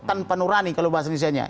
tanpa nurani kalau bahasa indonesianya